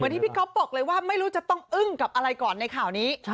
ที่พี่ก๊อฟบอกเลยว่าไม่รู้จะต้องอึ้งกับอะไรก่อนในข่าวนี้